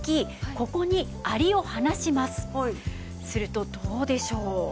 するとどうでしょう？